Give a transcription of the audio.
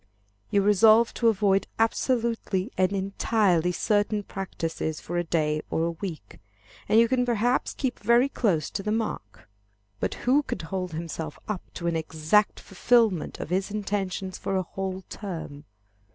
You resolve to avoid absolutely and entirely certain practices for a day or a week, and you can perhaps keep very close to the mark. But who can hold himself up to an exact fulfilment of his intentions for a whole term?